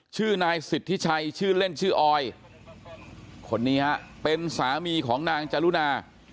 ชื่อนายสิทธิชัยชื่อเล่นชื่อออยคนนี้ฮะเป็นสามีของนางจรุณา